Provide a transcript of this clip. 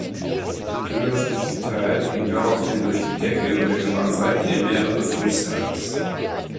Koehlers Beliebtheit ging daraufhin durch die Decke und er gewann seitdem mehrere Freestyles.